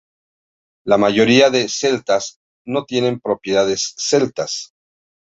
La mayoría de "celtas" no tienen propiedades celtas.